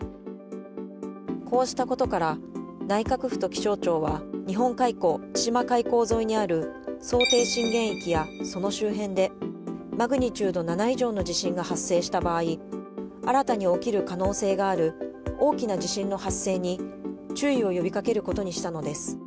こうしたことから、内閣府と気象庁は、日本海溝・千島海溝沿いにある想定震源域やその周辺で、マグニチュード７以上の地震が発生した場合、新たに起きる可能性がある大きな地震の発生に、注意を呼びかけることにしたのです。